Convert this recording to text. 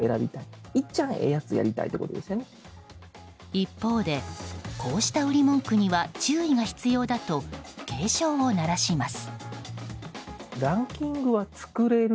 一方でこうした売り文句には注意が必要だと警鐘を鳴らします。